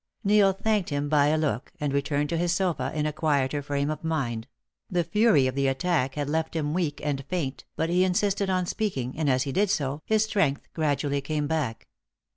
Neil thanked him by a look, and returned to his sofa in a quieter frame of mind; the fury of the attack had left him weak and faint, but he insisted on speaking, and as he did so, his strength gradually came back.